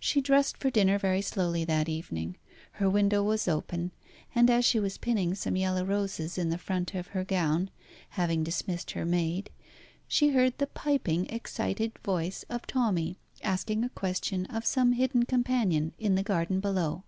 She dressed for dinner very slowly that evening. Her window was open, and as she was pinning some yellow roses in the front of her gown, having dismissed her maid, she heard the piping, excited voice of Tommy asking a question of some hidden companion in the garden below.